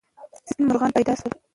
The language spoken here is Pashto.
سپین مرغان پیدا سول.